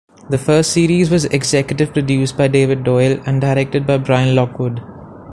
The first series was Executive Produced by David Doyle and Directed by Brian Lockwood.